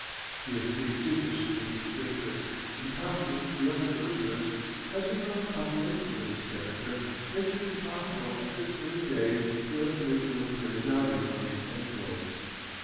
The extreme secrecy with which Great Britain, in common with the other belligerents, has enveloped operations of this character makes it impossible at this early day to estimate the military value of these exploits.